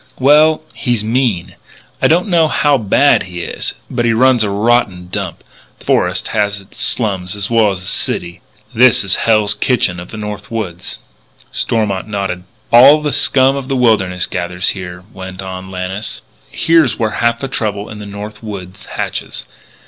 "Well, he's mean. I don't know how bad he is. But he runs a rotten dump. The forest has its slums as well as the city. This is the Hell's Kitchen of the North Woods." Stormont nodded. "All the scum of the wilderness gathers here," went on Lannis. "Here's where half the trouble in the North Woods hatches.